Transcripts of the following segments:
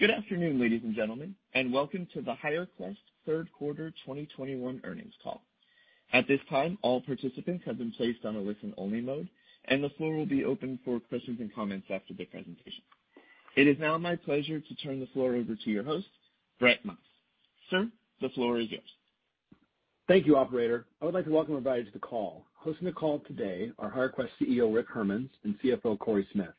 Good afternoon, ladies and gentlemen, and welcome to the HireQuest third quarter 2021 earnings call. At this time, all participants have been placed on a listen-only mode, and the floor will be open for questions and comments after the presentation. It is now my pleasure to turn the floor over to your host, John Nesbett. Sir, the floor is yours. Thank you, operator. I would like to welcome everybody to the call. Hosting the call today are HireQuest CEO, Rick Hermanns, and CFO, Cory Smith.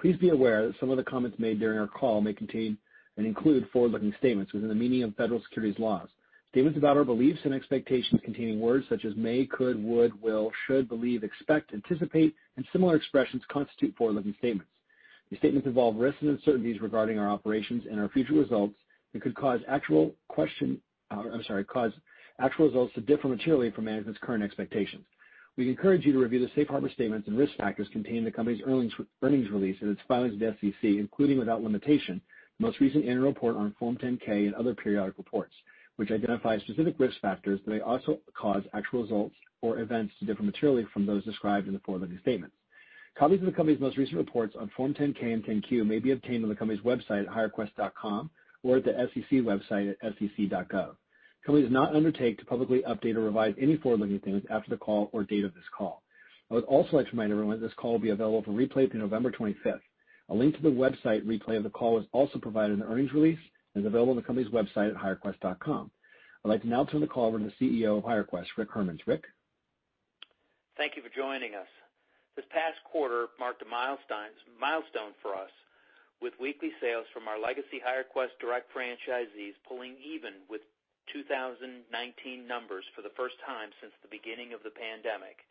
Please be aware that some of the comments made during our call may contain and include forward-looking statements within the meaning of federal securities laws. Statements about our beliefs and expectations containing words such as may, could, would, will, should, believe, expect, anticipate, and similar expressions constitute forward-looking statements. These statements involve risks and uncertainties regarding our operations and our future results and could cause actual results to differ materially from management's current expectations. We encourage you to review the safe harbor statements and risk factors contained in the company's earnings release and its filings with the SEC, including, without limitation, most recent annual report on Form 10-K and other periodic reports, which identify specific risk factors that may also cause actual results or events to differ materially from those described in the forward-looking statements. Copies of the company's most recent reports on Form 10-K and Form 10-Q may be obtained on the company's website at hirequest.com or at the SEC website at sec.gov. The company does not undertake to publicly update or revise any forward-looking statements after the call or date of this call. I would also like to remind everyone this call will be available for replay through November 25th. A link to the website replay of the call was also provided in the earnings release and is available on the company's website at hirequest.com. I'd like to now turn the call over to CEO of HireQuest, Rick Hermanns. Rick? Thank you for joining us. This past quarter marked a milestone for us with weekly sales from our legacy HireQuest Direct franchisees pulling even with 2019 numbers for the first time since the beginning of the pandemic.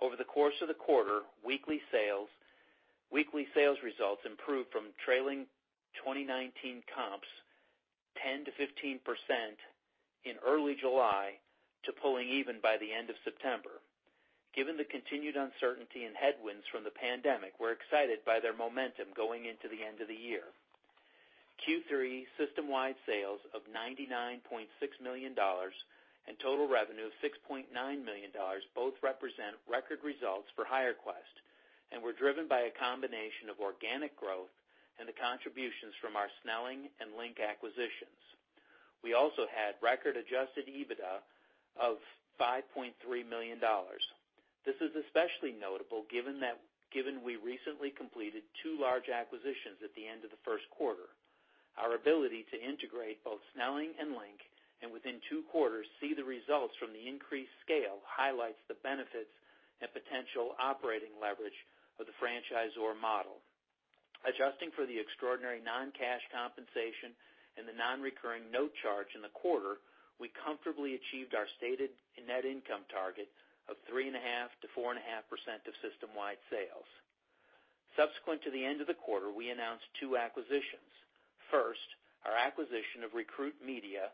Over the course of the quarter, weekly sales results improved from trailing 2019 comps 10%-15% in early July to pulling even by the end of September. Given the continued uncertainty and headwinds from the pandemic, we're excited by their momentum going into the end of the year. Q3 system-wide sales of $99.6 million and total revenue of $6.9 million both represent record results for HireQuest and were driven by a combination of organic growth and the contributions from our Snelling and LINK acquisitions. We also had record adjusted EBITDA of $5.3 million. This is especially notable given that we recently completed two large acquisitions at the end of the first quarter. Our ability to integrate both Snelling and LINK, and within two quarters, see the results from the increased scale, highlights the benefits and potential operating leverage of the franchisor model. Adjusting for the extraordinary non-cash compensation and the non-recurring note charge in the quarter, we comfortably achieved our stated net income target of 3.5%-4.5% of system-wide sales. Subsequent to the end of the quarter, we announced two acquisitions. First, our acquisition of Recruit Media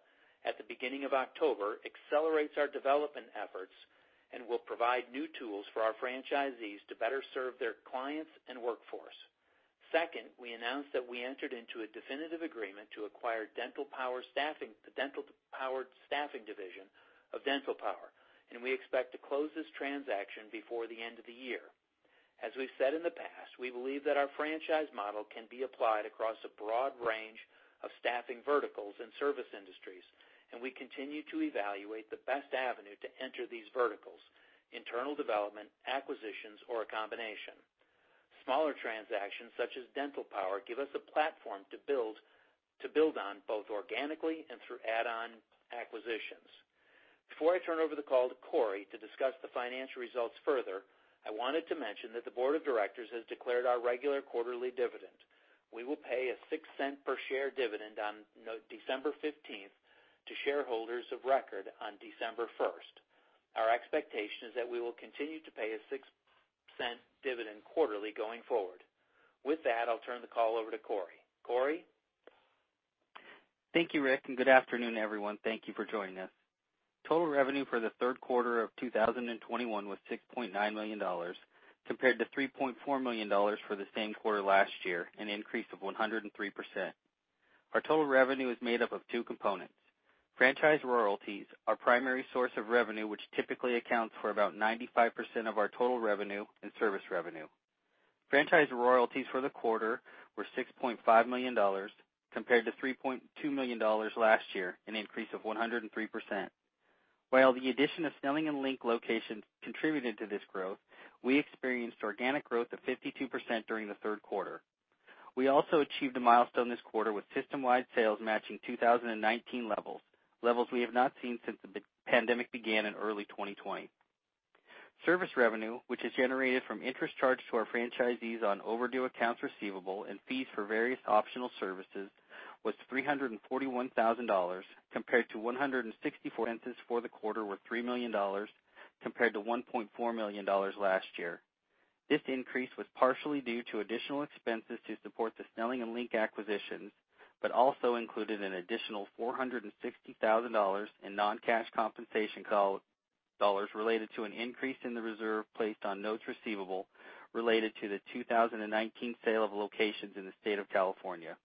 at the beginning of October accelerates our development efforts and will provide new tools for our franchisees to better serve their clients and workforce. Second, we announced that we entered into a definitive agreement to acquire Dental Power Staffing, the Dental Power Staffing division of Dental Power, and we expect to close this transaction before the end of the year. As we've said in the past, we believe that our franchise model can be applied across a broad range of staffing verticals and service industries, and we continue to evaluate the best avenue to enter these verticals, internal development, acquisitions, or a combination. Smaller transactions such as Dental Power give us a platform to build on, both organically and through add-on acquisitions. Before I turn over the call to Cory to discuss the financial results further, I wanted to mention that the board of directors has declared our regular quarterly dividend. We will pay a $0.06 per share dividend on December 15th to shareholders of record on December 1st. Our expectation is that we will continue to pay a $0.06 dividend quarterly going forward. With that, I'll turn the call over to Cory. Cory? Thank you, Rick, and good afternoon, everyone. Thank you for joining us. Total revenue for the third quarter of 2021 was $6.9 million, compared to $3.4 million for the same quarter last year, an increase of 103%. Our total revenue is made up of two components. Franchise royalties, our primary source of revenue, which typically accounts for about 95% of our total revenue and service revenue. Franchise royalties for the quarter were $6.5 million, compared to $3.2 million last year, an increase of 103%. While the addition of Snelling and LINK locations contributed to this growth, we experienced organic growth of 52% during the third quarter. We also achieved a milestone this quarter with system-wide sales matching 2019 levels we have not seen since the pandemic began in early 2020. Service revenue, which is generated from interest charged to our franchisees on overdue accounts receivable and fees for various optional services, was $341 thousand, compared to $164 thousand. Expenses for the quarter were $3 million, compared to $1.4 million last year. This increase was partially due to additional expenses to support the Snelling and LINK acquisitions, but also included an additional $460 thousand in non-cash compensation expense related to an increase in the reserve placed on notes receivable related to the 2019 sale of locations in the state of California.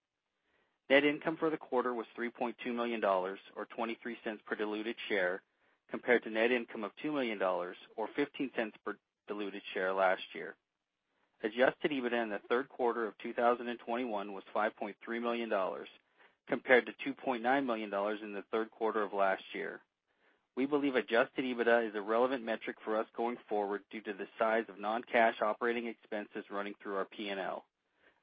Net income for the quarter was $3.2 million or $0.23 per diluted share. Compared to net income of $2 million or $0.15 per diluted share last year. Adjusted EBITDA in the third quarter of 2021 was $5.3 million, compared to $2.9 million in the third quarter of last year. We believe adjusted EBITDA is a relevant metric for us going forward due to the size of non-cash operating expenses running through our P&L.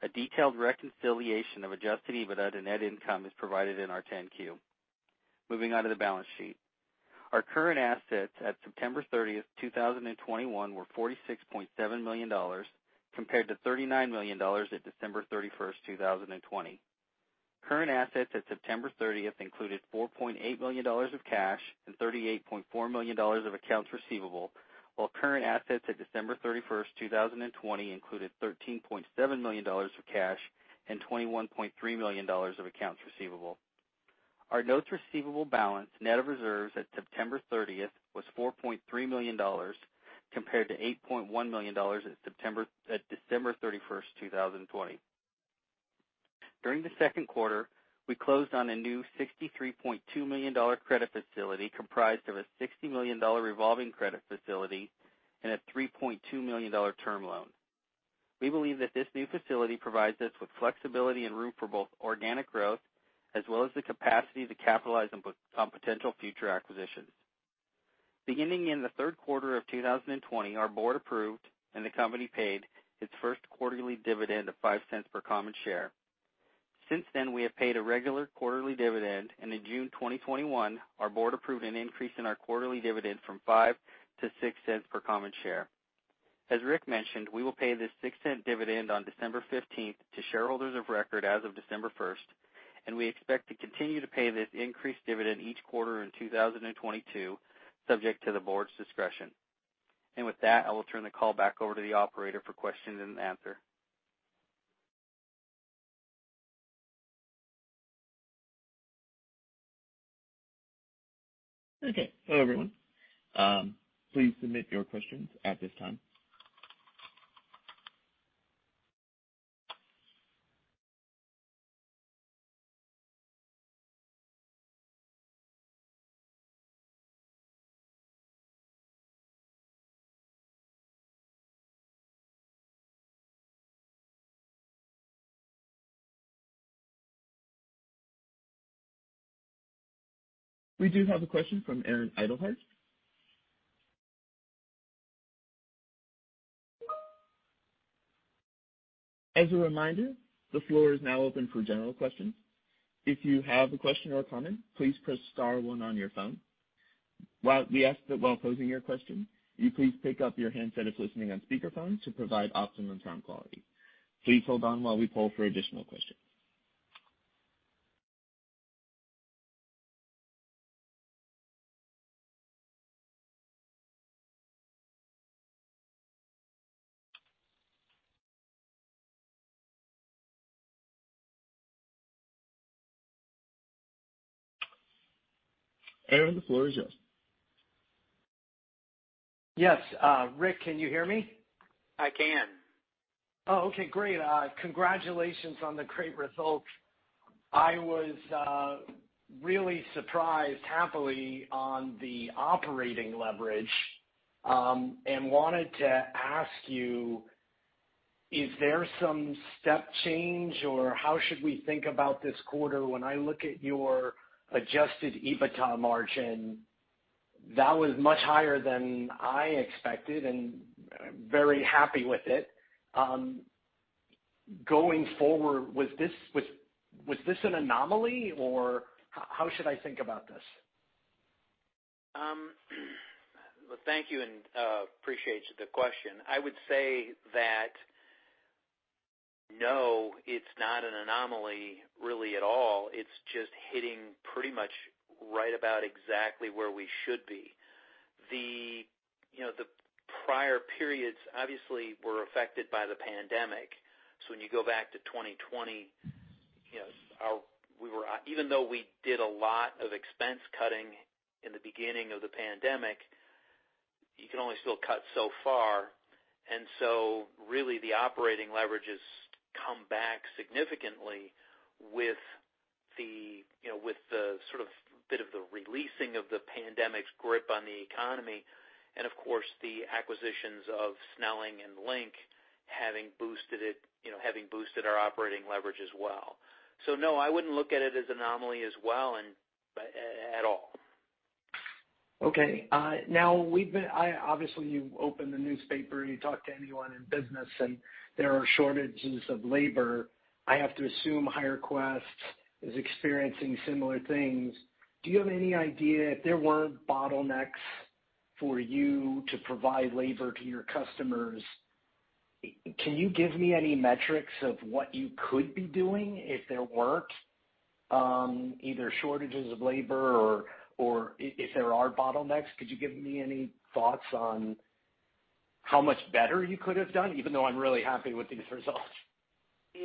A detailed reconciliation of adjusted EBITDA to net income is provided in our 10-Q. Moving on to the balance sheet. Our current assets at September 30th, 2021 were $46.7 million compared to $39 million at December 31st, 2020. Current assets at September 30th included $4.8 million of cash and $38.4 million of accounts receivable, while current assets at December 31st, 2020 included $13.7 million of cash and $21.3 million of accounts receivable. Our notes receivable balance, net of reserves at September 30th was $4.3 million compared to $8.1 million at December 31st, 2020. During the second quarter, we closed on a new $63.2 million credit facility comprised of a $60 million revolving credit facility and a $3.2 million term loan. We believe that this new facility provides us with flexibility and room for both organic growth as well as the capacity to capitalize on on potential future acquisitions. Beginning in the third quarter of 2020, our board approved and the company paid its first quarterly dividend of $0.05 per common share. Since then, we have paid a regular quarterly dividend, and in June 2021, our board approved an increase in our quarterly dividend from $0.05 to $0.06 per common share. As Rick mentioned, we will pay this $0.06 dividend on December 15th to shareholders of record as of December 1st, and we expect to continue to pay this increased dividend each quarter in 2022, subject to the board's discretion. With that, I will turn the call back over to the operator for questions and answers. Okay. Hello, everyone. Please submit your questions at this time. We do have a question from Aaron Edelheit. As a reminder, the floor is now open for general questions. If you have a question or a comment, please press star one on your phone. While we ask that while posing your question, you please pick up your handset if listening on speakerphone to provide optimum sound quality. Please hold on while we poll for additional questions. The floor is yours. Yes, Rick, can you hear me? I can. Oh, okay, great. Congratulations on the great results. I was really surprised, happily, on the operating leverage, and wanted to ask you, is there some step change or how should we think about this quarter when I look at your adjusted EBITDA margin? That was much higher than I expected and very happy with it. Going forward, was this an anomaly or how should I think about this? Well, thank you and appreciate the question. I would say that no, it's not an anomaly really at all. It's just hitting pretty much right about exactly where we should be. You know, the prior periods obviously were affected by the pandemic. When you go back to 2020, you know, even though we did a lot of expense cutting in the beginning of the pandemic, you can only still cut so far. Really the operating leverage has come back significantly with you know, with the sort of bit of the releasing of the pandemic's grip on the economy and of course, the acquisitions of Snelling and LINK having boosted our operating leverage as well. No, I wouldn't look at it as an anomaly at all. Obviously, you open the newspaper and you talk to anyone in business, and there are shortages of labor. I have to assume HireQuest is experiencing similar things. Do you have any idea if there weren't bottlenecks for you to provide labor to your customers? Can you give me any metrics of what you could be doing if there weren't either shortages of labor or if there are bottlenecks? Could you give me any thoughts on how much better you could have done, even though I'm really happy with these results? Yeah.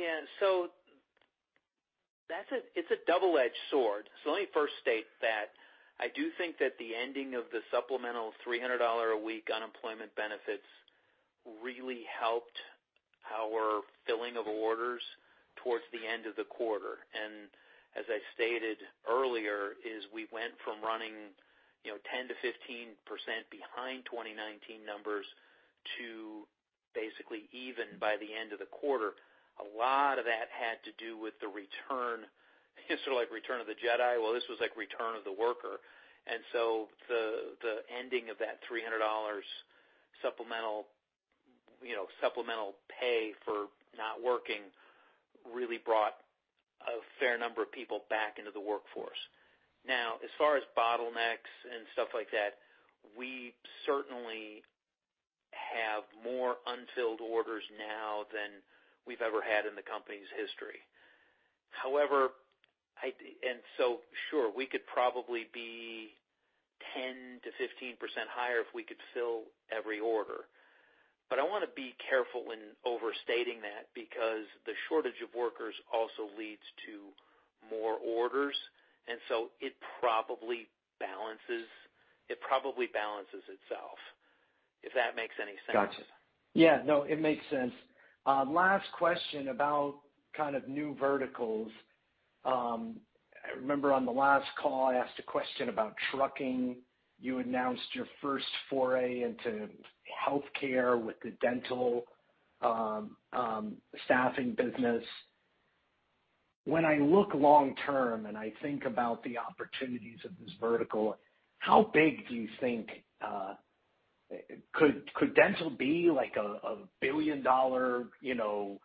That's a double-edged sword. Let me first state that I do think that the ending of the supplemental $300 a week unemployment benefits really helped Our filling of orders towards the end of the quarter, and as I stated earlier, is we went from running, you know, 10%-15% behind 2019 numbers to basically even by the end of the quarter. A lot of that had to do with the return. It's like Return of the Jedi. Well, this was like return of the worker. And so the ending of that $300 supplemental, you know, supplemental pay for not working really brought a fair number of people back into the workforce. Now, as far as bottlenecks and stuff like that, we certainly have more unfilled orders now than we've ever had in the company's history. However, and so sure, we could probably be 10%-15% higher if we could fill every order, but I wanna be careful in overstating that because the shortage of workers also leads to more orders, and so it probably balances itself, if that makes any sense. Gotcha. Yeah, no, it makes sense. Last question about kind of new verticals. I remember on the last call, I asked a question about trucking. You announced your first foray into healthcare with the dental staffing business. When I look long-term and I think about the opportunities of this vertical, how big do you think could dental be like a billion-dollar, you know,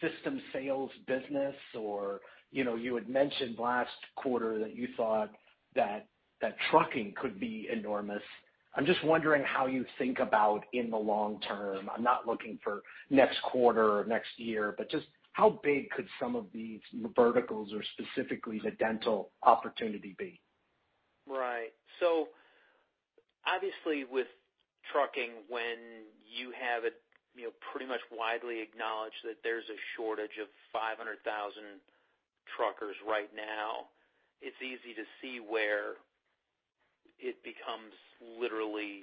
system-sales business? Or, you know, you had mentioned last quarter that you thought that trucking could be enormous. I'm just wondering how you think about in the long term. I'm not looking for next quarter or next year, but just how big could some of these verticals or specifically the dental opportunity be? Right. Obviously with trucking, when you have it, you know, pretty much widely acknowledged that there's a shortage of 500,000 truckers right now, it's easy to see where it becomes literally,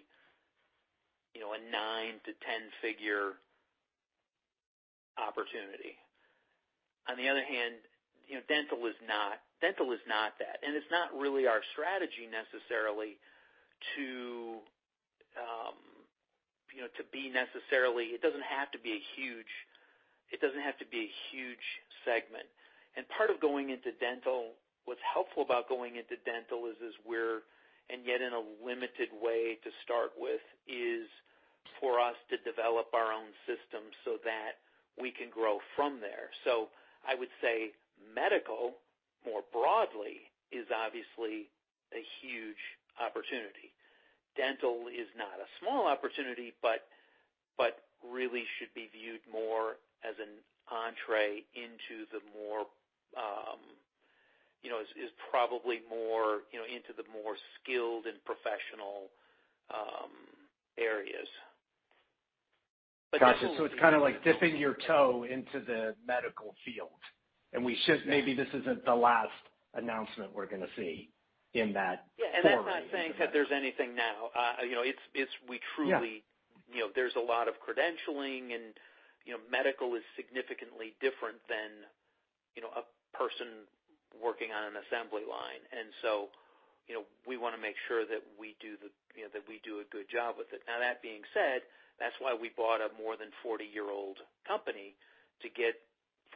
you know, a nine to 10 figure opportunity. On the other hand, you know, dental is not that, and it's not really our strategy necessarily to, you know, to be necessarily. It doesn't have to be a huge segment. Part of going into dental, what's helpful about going into dental is we're, and yet in a limited way to start with, is for us to develop our own system so that we can grow from there. I would say medical, more broadly, is obviously a huge opportunity. Dental is not a small opportunity, but really should be viewed more as an entree into the more skilled and professional areas. Gotcha. It's kinda like dipping your toe into the medical field. Maybe this isn't the last announcement we're gonna see in that forum. Yeah. That's not saying that there's anything now. You know, it's we truly- Yeah. You know, there's a lot of credentialing and, you know, medical is significantly different than, you know, a person working on an assembly line. You know, we wanna make sure that we do the, you know, that we do a good job with it. Now, that being said, that's why we bought a more than 40-year-old company to get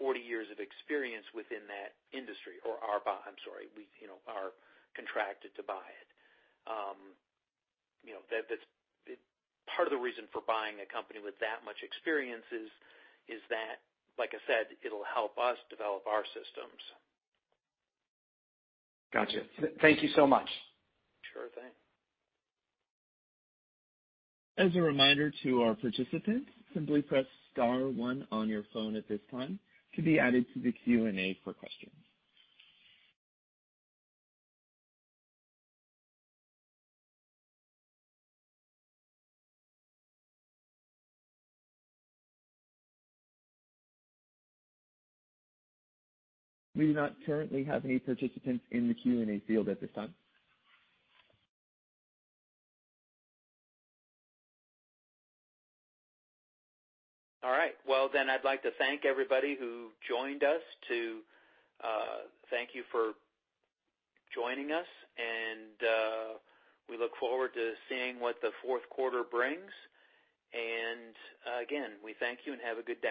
40 years of experience within that industry. We are contracted to buy it. You know, that's part of the reason for buying a company with that much experience is that, like I said, it'll help us develop our systems. Gotcha. Thank you so much. Sure thing. As a reminder to our participants, simply press star one on your phone at this time to be added to the Q&A for questions. We do not currently have any participants in the Q&A field at this time. All right. Well, I'd like to thank everybody who joined us, thank you for joining us, and we look forward to seeing what the fourth quarter brings. Again, we thank you and have a good day.